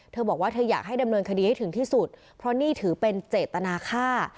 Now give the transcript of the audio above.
บอกว่าเธออยากให้ดำเนินคดีให้ถึงที่สุดเพราะนี่ถือเป็นเจตนาค่า